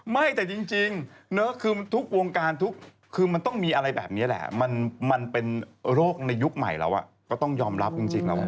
ไม่แต่จริงทุกวงการมันต้องมีอะไรแบบนี้แหละมันเป็นโรคในยุคใหม่แล้วต้องยอมรับจริง